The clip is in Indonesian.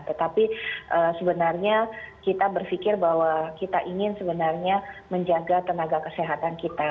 tetapi sebenarnya kita berpikir bahwa kita ingin sebenarnya menjaga tenaga kesehatan kita